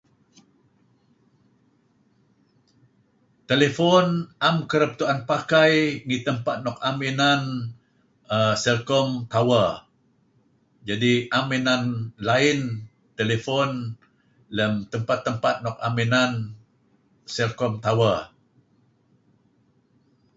Telifon 'em kereb tu'en pakai ngih tempt nuk em inan err... Celcom tower. Jadi' em inan lain telifon lem tempat-tempat nuk 'em inan Celcom tower.